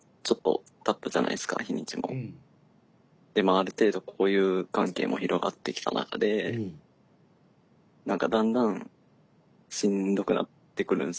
ある程度交友関係も広がってきた中で何かだんだんしんどくなってくるんですよね。